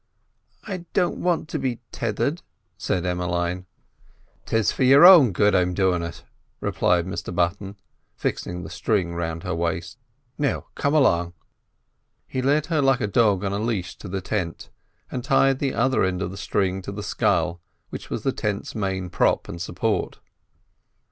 "I don't want to be tethered," said Emmeline. "It's for your own good I'm doin' it," replied Mr Button, fixing the string round her waist. "Now come 'long." He led her like a dog in a leash to the tent, and tied the other end of the string to the scull, which was the tent's main prop and support.